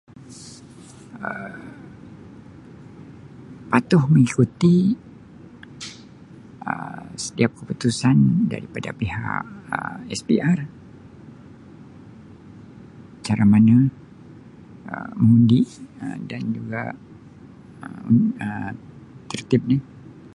Um Patuh mengikuti Um setiap keputusan daripada pihak Um SPR. Cara mengu-[Um] undi dan juga Um tertib dia.